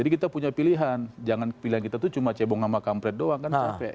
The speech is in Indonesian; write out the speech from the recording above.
jangan pilihan jangan pilihan kita itu cuma cebong sama kampret doang kan capek